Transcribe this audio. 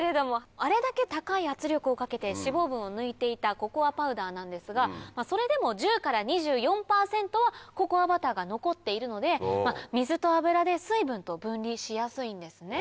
あれだけ高い圧力をかけて脂肪分を抜いていたココアパウダーなんですがそれでも１０から２４％はココアバターが残っているので水と脂で水分と分離しやすいんですね。